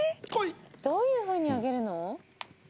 どういう風に上げるの？